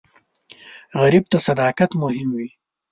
غریب ته صداقت مهم وي